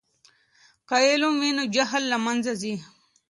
که علم وي نو جهل له منځه ځي.